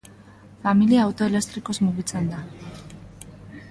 Familia auto elektrikoz mugitzen da.